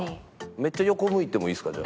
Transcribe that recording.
めっちゃ横向いてもいいですか？